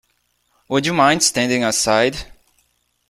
Would you mind standing aside?